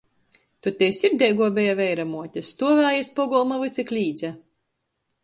Tod tei sirdeiguo beja veiramuote. Stuovēja iz pogolma vyds i klīdze.